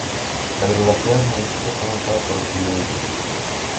La hidrografía del municipio está marcada por el río Ebro.